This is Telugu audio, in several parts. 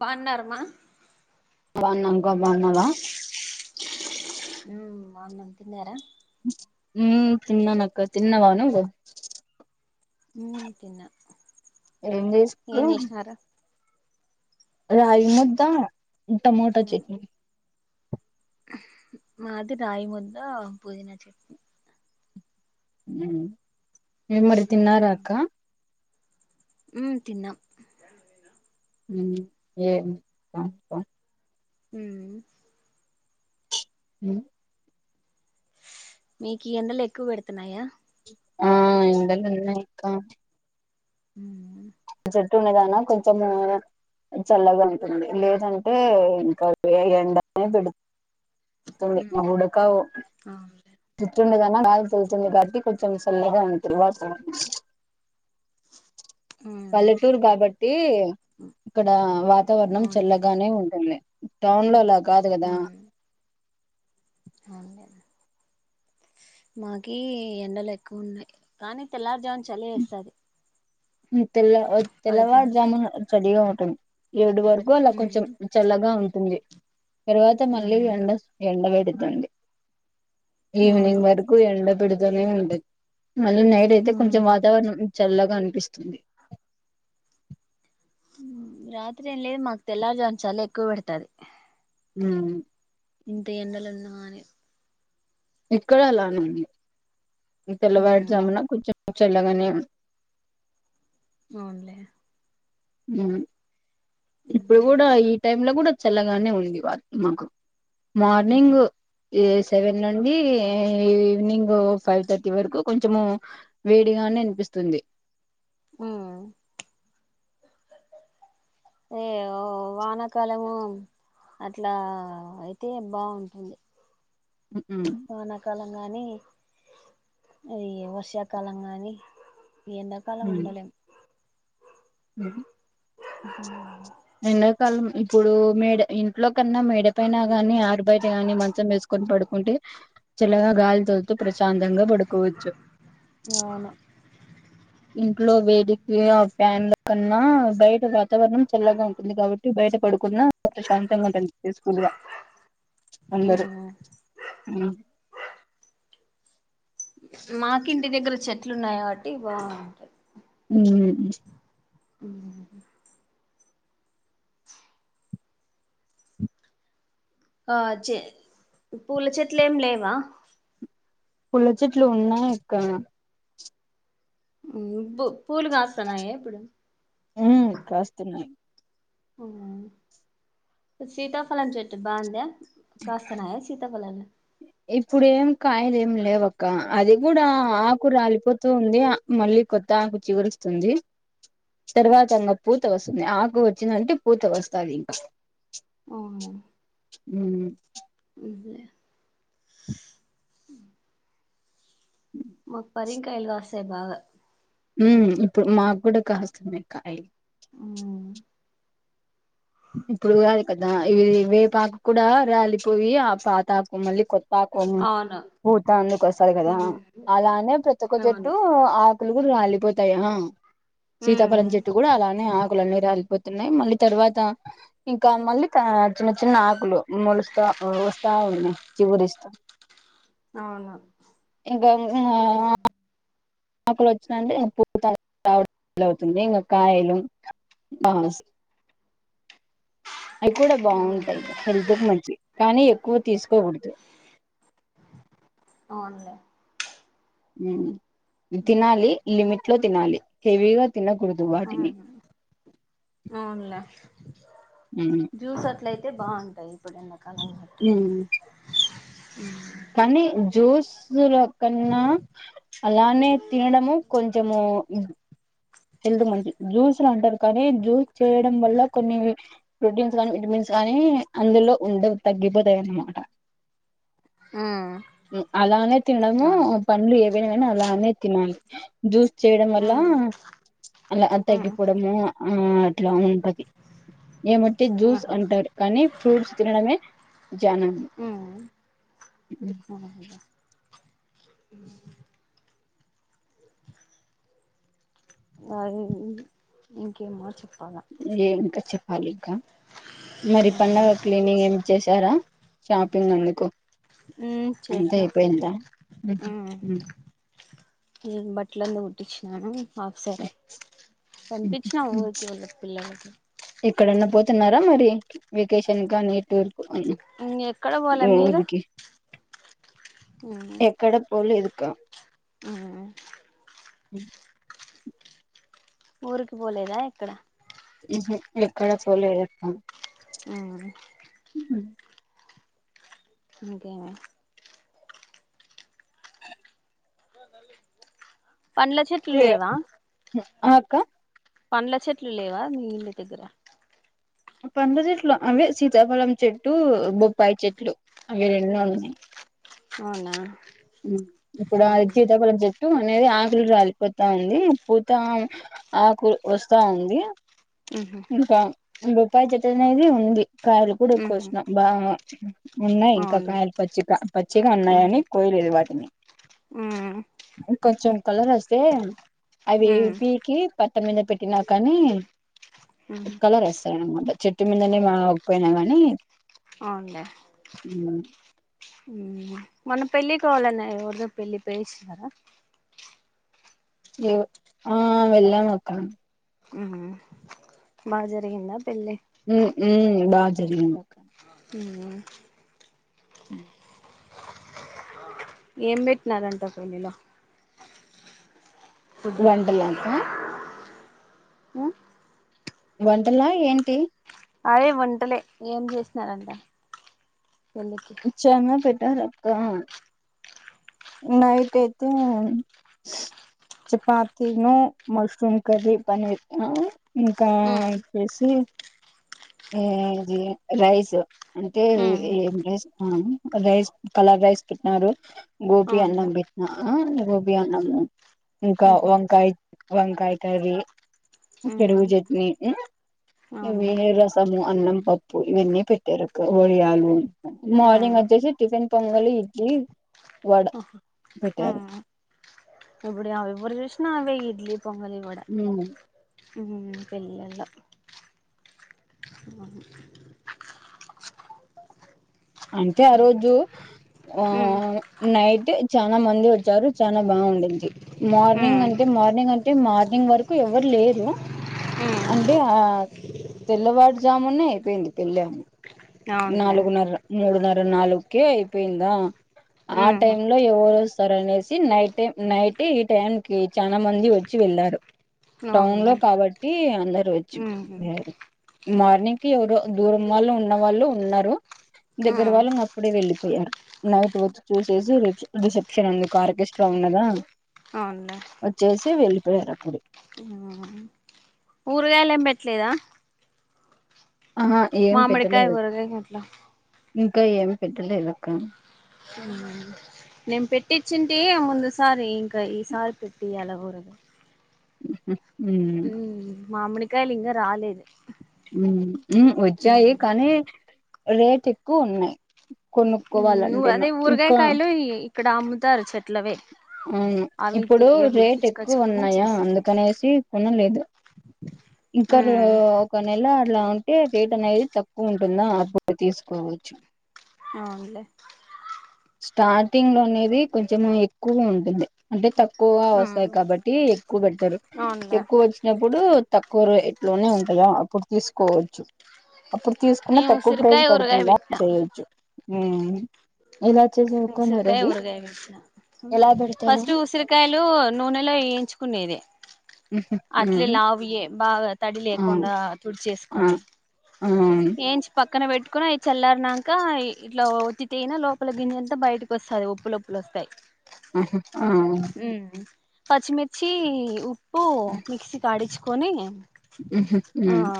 పాండారమా వన్ నంబర్ బాగున్నావా. ఉమ్ బాగున్నాం, తిన్నారా. ఉమ్ తిన్నానక్క తిన్నవా నువ్వు. ఉమ్ తిన్నా. ఏం ఏం చేసుకునం. చేసినారు రాయి ముద్దా, టమోట చట్నీ. మాది రాయి ముద్దా, పూదిన చట్నీ. ఊ ఏం మరి తిన్నారా ఉమ్ అక్కా. ఉమ్ తిన్నాం. ఉమ్ ఏం [inaudible] హ్మ్మ్ ఉ మీకీ ఎండల్ ఎక్కువ పెడుతున్నాయా. ఆ ఎండలు ఉన్నాయక్క. అవునా. చెట్టు ఉన్నతానా కొంచెమూ చల్లగ ఉంటుంది. లేదంటే, ఇంకా ఏ ఎండనే పెడు తుంది. ఉమ్ ఉడకవో అవునులే చెట్టున్న తానా గాల్ తులుతుల్లు గాలికి కొంచం సల్లగా ఉంటుంది. [unintelligible] ఉమ్ పల్లెటూరు కాబట్టీ, ఇక్కడా వాతావరణం అవునులే చల్లగానే ఉంటుంది. టౌన్ లో లాగ్ కాదు గదా. ఉమ్ అవునులే. మాకీ ఎండలు ఎక్కువున్నాయి. కానీ తెల్లార్జామున చలి వేస్తాది. తెల్ల తెల్లవారు జామున చలిగా ఉంటుంది. ఏడు వరకు అలా ఉమ్ కొంచెం చల్లగా ఉంటుంది. తరువాత మళ్ళీ ఉమ్ ఎండ ఎండ వేడి. దండి. అవును ఈవెనింగ్ వరకూ ఎండ పెడుతూనే ఉంటద్. మళ్ళీ నైట్ అయితే కొంచెం ఉమ్ వాతావరణం. చల్లగా అనిపిస్ తుంది. రాత్రేం లేద్ మాక్ తెల్లార్జమున చలి ఎక్కువ పెడతాది. ఊ ఇంత ఎండల ఉన్నా అని. ఇక్కడ అలానే ఉంది. ఉమ్ తెల్లవారుజామున కొంచెం చల్లగానే అవునులే ఉ ఇప్పుడు కూడా ఈ టైమ్ లో కూడా చల్లగానే ఉంది ఇవాళ మాకు ఆహా మార్నింగు ఈ సెవెన్ నుండి ఈవినింగు ఉ అ వానాకాలము అట్లా అయితే బాగుంటుంది వానాకాలంగానీ అయ్య వర్షాకాలంగానీ ఎంతకాలం ఉన్నాలే అన్న కాలం ఇప్పుడు మేడ ఇంట్లో కన్నా మేడ పైన గాని ఆటు బయట ని మంచం వేసుకొని పడుకుంటే చిల్లగా గాలి తోలుతూ ప్రశాంతంగా పడుకోవచ్చు జను ఇంట్లో వేటికి ఆ ఫ్యాన్ల కన్నా బయట రా వాతావరణం చల్లగా ఉంటుంది కాబట్టి బయట పడుకున్నా శాంతంగా ఉని చెప్ప స్కూల్ గా అందరు మాకింటి దగ్గర చెట్లున్నాయి కాబట్టి బాగుంటాయి ఉ ఆ ఆ చె పూల చెట్లు ఏం లేవా పుల్ల చెట్లు ఉన్నా ఇక్క పూలు కాస్తానాయ ఇప్పుడు ఆ కాస్తున్నాయి సీతాఫలం చటు బా అందా ఇప్పుడు ఏం కాయలే లే ఒక్క అది కూడా ఆకు రాలిపోతూంది మళ్ళీ కొత్త ఆకు చిగురుస్తుంది తర్వాత ఇంకా పూత వస్తుంది ఆకు వచ్చిందంటే పూత వస్తుంది ఇంకా అఓ ఉ ఉ మప్పరం కాయలు రాసే బావ ఇప్పుడు మాకు కూడా కాస్తమకా అయ ఇప్పుడు కాదు కదా ఇవి వేపాకు కూడా రర్యాలిపోయి ఆ పాతాకు మళ్ళీ కొత్త పాకు అవును ఊతా అందుకు వస్తాడు కదా ఉమ్ అలానే ప్రతి ఒక్క చెట్టు అవును ఆ కులు కూడా రాలిపోతాయా ఉమ్ సీతాఫలం చెట్టు కూడా అలానే లున్నీ రాలిపోతున్నాయి మళ్ళీ తర్వాత ఇంకా మళ్ళీ చిన్న చిన్న ఆకులు మలుస్తా వస్తా ఉంది చిగురిస్తా అవును ఇంక ఇంక అకులు వచ్చినంటే పూత రావడం ఫీల్ అవుతుంది. ఇంకా కాయలు బా అవి కూడా బాగుంటాయి హెల్త్ కి మంచి కానీ ఎక్కువ తీసుకోకూడదు. అవునులే ఉ తినాలి లిమిటెడ్ తినాలి హెవిగా అవును అవునులే జ్యూస్ అట్లయితే బాగుంటాయి. అప్పు [unintelligible] కళం పెట్ ఇ కానీ జోస్ లో కన్నా అలానే తినడము కొంచము హెల్త్ మంచి జ్యూస్ లో అంటారు కానీ జ్యూస్ చేయడం వల్ల కొన్ని ప్రోటీన్స్ కానీ, విటమిన్స్ కానీ అందులో ఉండవు తగ్గిపోతాయిన్నమాట. అలానేే తినము అవును పనులు ఏ అలా అనే తినాలి జ్యూస్ చేయడం వల్ల ఉమ్ అలా తగ్గిపోవడం అ ఆ అట్లా ఉంటది. ఏమంటే ఉమ్ జ్యూస్ ఆహా అంటారు కానీ ఫ్రూట్స్ తినడమే జానాం ఉమ్ ఈ [unintelligible] అ ఇంకే మ చె ఏం ఇంకా చెప్ప పాలి మరి పండగ క్లీనింగ్ ఏం చే వచ్చారా షాపింగ్ అందుకు హు అంతా చేసిన అయిపోయిందా అ ఏ బట్లంత కుట్టిచ్చనాను ఆ సరే కనిపించిన ఊరికి వెళ్ళ పిల్లలకి ఎక్కడన్నా పోతున్నారా మరి వెకేషన్ కాగానీ టూర్. ఇంక ఎక్కడ పోలే మీరు ఊరికి ఎక్కడ పోలేదు. క్క అ హమ్ ఊరికి పోలేదా ఎక్కడ ఎక్కడ పోలేదు అవునా ఇంకేమి పండ్ల చెట్లు లేవు లేవా ఆ అక్క పండ్ల చెట్లు లేవా మీ ఇల్ళ దగ్గర పంద చెట్లు అవే సీతాఫలం చెట్టు బొప్పాయి చెట్లు అవి రెండు ఉన్నాయి అవునా ఇప్పుడు అది సీతపేలం చెప్ప చుట్టటు అనేది ఆకులి రాలిపోతా ఉంది పూతా ఆకులు వస్తా ఉంది ఉహు ఇకా రూపాయి చెట్టు అనేది ఉంది కాయలు కూడా ఉహు ఎక్కుసిన బా ఉన్నాయి ఇంకా అవునులే కాయలు పచ్చిగా పచ్చిగా ఉన్నాయ ఉహు అని కోయలేదు వాటిని ఉమ్ ఇంకొంచెం కలర్ వస్తే అది ఉమ్ పీకి ప అత్తం మీద పెట్టినా కానీ ఉహు కలర్ వస్తా చెట్టు మీదనే మా అపోయినా గాని అవును లే మనం పెళ్ళి కావాలన్నా ఎవరితో పెళ్ళి పెయిస్తున్నారా ఏ ఆ వెళ్ళాన అక్క హమ్మ బజరిగిందా పెళ్ళి హమ్ మం బా జరిందకా హమ్ అ ఏం పెట్టినారంట పెళ్ళలో వండలాక్క ఆ వంటలా ఏంటి అదే ఒంటలే ఏం చేసినారంటే చ పె రక్క నైట్ అయితే చపాతినో మష్రూమ్ కరరి పనీర్ ఇంకా వ ఉమ్ చేేసి జ రైస్ అంటే ఉమ్ ఎమ్మెస్ రైస్ కలర్ రైస్ పుట్టిన గోపి అవునులే అన్నం బిత్నా బ అన్నా ఇంకా ఉహు వంకాయ వంకాయ కరీ ఉమ్ పెరుగు చట్నీవి అవునులే రస మసము అన్నం పప్పు ఇవన్నీ పెట్టారు అ ఒడియాలు మార్నింగ్ ఉమ్ వచ్చేసి టిఫిన్ పొంగలి ఇడ్లీ వడ ఓహో పెట్టారు ఎప్పుడు అవిప్పు చషన వెేలీ పొంగలిగడ ఉమ్, పళ్లల అ అంటే ఆ రోజు ఆ ఉమ్ నైట్ అంటే చాలా మంది వచ్చారు చాలా బాగుంంది మార్నింగ్ ఉమ్ అంటే మార్నింగ్ అంటే మార్నింగ్ వరకు ఎవరు లేరు ఉమ్ అంటే ఆ తెల్లవాారుజామునే అయిపోయింది పెళ్ళాము అవునులే నాలుగున్నర మూడున్నర ఇ నాలుగుకే అయిపోయిందా ఆ టై ఉమ్ లో ఎవరు వస్తారు అనేసి నైట్ై నైట్ ఈ టైం క చనా మంది వచ్చి వెళ్ళారు టౌన్ అవునులే లో కాబట్టి అందరు ఉమ్ వచ్చియారు మార్నింగ్ క ఎవరో దూరం వాళ్ళ ఉన్నవాళ్ళు ఉన్నారు దగ్గర ఉమ్ వాళ్ళం అప్పుడే వెళ్ళిపోయారు నైట్ వచ్చి చూసేసి రిసెప్షన్ ఎందుకు ఆర్కెస్ట్రా ఉన్నదా అవునులే వచ్చేసి వెళ్లిపోయారు అప్పుడు కూరగాయలు ఏం పెట్టలేదా ఆహా ఏం మామడ కాయ పెట్టలేదు బర కాట్లా ఇంకా ఏమి పెట్టలేలక్క ఉమ్ నేను పెట్టిచ్చింటే ముందు సారి ఇంకా ఈ సారి పెట్టిలా కూఊరగా ఆ మామిణ కాలి ఇంకా రాలేదు ఉ ఉ వచ్చాయి కానీ రేట్ ఎక్కువ ఉన్నాయి నువ్వు కొనుక్కోవాలంటేనా అదే ఇంకా ఊరగాయకాయలు ఇక్కడ అమ్ముతారు చెట్లవే అవును అవి తీ ఇప్పుడు అవి రేట్ ఎక్కువ పిచ్చుకొచ్చుకొని ఉన్నాయా చేసేది అందుకనేసి కొనలేదు ఇంకా ఒక నెల అలా ఉంటే రేట్ అనేది తక్కువ ఉంటుంది అప్పుడున్నా అప్పుడు తీసుకోవచ్చు అవునలే స్టార్టింగ్ లోనే అది కొంచెం ఎక్కువ ఉంది ది అంటే తక్కు ఎక్కువగా ఉ వస్తాయి కాబట్టి ఎక్కువ పెడతారు అవునులే ఎక్కువ వచ్చినప్పుడు తక్కువ ర ఎట్లోనే ఉంటాయో అప్పుడు తీసుకోవచ్చు అప్పుడు తీసుకున్నా నేను తక్కువ ప్రైజ్ ఉసిరికాయ ఊరగాయ పడుతుందా పెట్టినా చేయొచ్చు ఊ ఇలా చేసావుకా ఉసిరికాయ మరవి ఉరగాయ పెచ్చిన ఎలా పెడతారు ఫస్ట్ ఉసిరికాయలు నూనెలో వేయించుకునేది అట్లే లావువే బాగా తడి ఆ లేకుండా త ఆ కొనే ఆ ఆహా ఏంచి పక్క పక్కన పెట్టుకుని అవి చల్లారనాక ఇట్లా ఒత్తి తన లోపల గింజంతా బయటకి వస్తంది ఉప్పులుప్పులు వస్తాయి ఆహ ఆ ఉమ్ పచ్చిమిర్చి ఉ ఓ మిక్సీ కాడిచ్ కొని ఉహు ఆ ఉమ్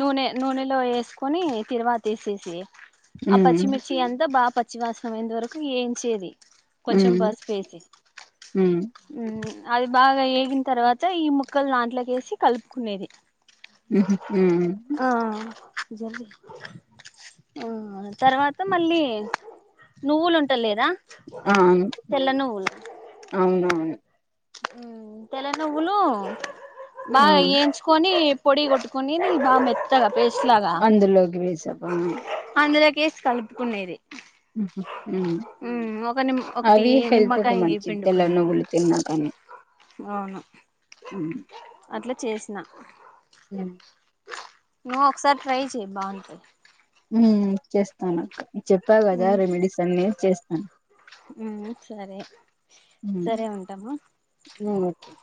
నూనె నూనెలో వేసి కొని తిరువాతేసేసి ఆ ఉమ్ పచ్చిమిర్చి అంత బాపు పచ్చివాసన పోయేంతవరకు ఏంచేది కొంచం ఉమ్ పస్పేసి ఉమ్ అది బాగా ఏగిన తర్వాత ఈ ముక్కలు దంట్లోకి వేసి కలుపుకునేది ఊహూ ఊ జరి తర్వాత మళ్ళీ నువ్వులు ఉంట లేదా అను అవునవును తెల్ల నువ్వులు ఆ బాగా ఎయించుకొని పొడి కొట్టుకండి బా మెత్తగా పేస్ అందులోకి వేసప్ప కేసు కలుపుకునేది ఉమ్ ఒక నిమ్ ఒకటి అవి హెల్త్ కు నిమ్మకాయ మంచి తెల పిండుకున్నది నుగులుతిన్నా కానీ అవును ఉ అట్లా చేసిన హ ను ఒకసారి ట్రై చే బావుంటుంది ఉ ఇ చేస్తాను చెప్పా కదా ఉమ్ రెమెడీస్ అన్ని చేస్తాను ఉమ్ సరే సరే ఉంటాము ఓ